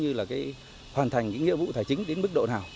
như là hoàn thành những nhiệm vụ thải chính đến mức độ nào